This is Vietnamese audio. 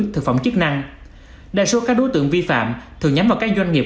thực phẩm chức năng đa số các đối tượng vi phạm thường nhắm vào các doanh nghiệp